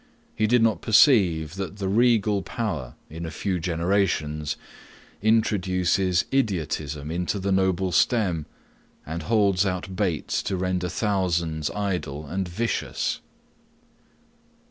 He did not perceive, that the regal power, in a few generations, introduces idiotism into the noble stem, and holds out baits to render thousands idle and vicious.